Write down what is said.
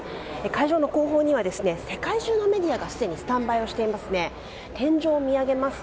会場の後方には世界中のメディアがすでにスタンバイしています。